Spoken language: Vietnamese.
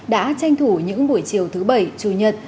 đã tranh thủ những buổi chiều thứ bảy chủ nhật